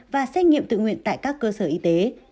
và xét nghiệm tự nguyện tại các cơ sở y tế